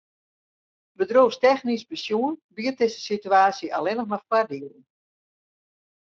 Bedriuwstechnysk besjoen biedt dizze situaasje allinnich mar foardielen.